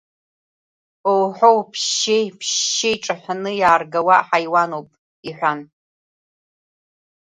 Оҳоу, ԥшьшьеи, ԥшьшьеи ҿаҳәаны иааргауа аҳаиуан ауп, — иҳәан…